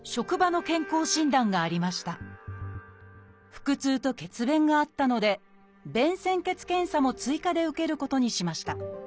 腹痛と血便があったので「便潜血検査」も追加で受けることにしました。